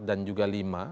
empat dan juga lima